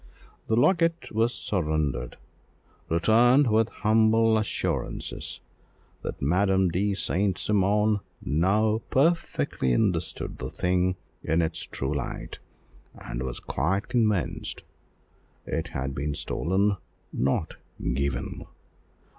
The locket was surrendered, returned with humble assurances that Madame de St. Cymon now perfectly understood the thing in its true light, and was quite convinced it had been stolen, not given.